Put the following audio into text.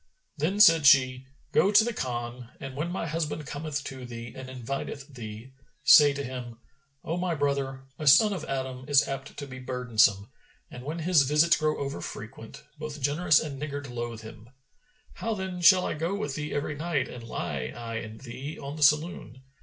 Then said she, "Go to the Khan and, when my husband cometh to thee and inviteth thee, say to him, 'O my brother, a son of Adam is apt to be burdensome, and when his visits grow over frequent, both generous and niggard loathe him.[FN#421] How then shall I go with thee every night and lie I and thee, on the saloon?